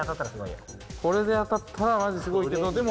これで当たったらマジすごいけど。